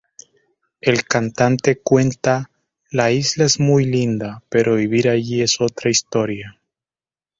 El cantante cuenta “La isla es muy linda, pero vivir allí es otra historia.